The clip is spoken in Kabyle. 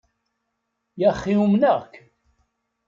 Yaxi umneɣ-k.